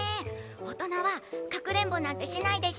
おとなはかくれんぼなんてしないでしょ。